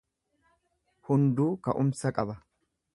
Hunduu ka'umsa qaba.